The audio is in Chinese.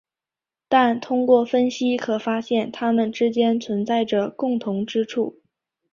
但通过分析可发现它们之间存在着共同之处。